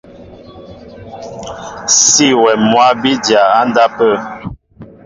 Sí awɛm mwǎ bí dya á ndápə̂.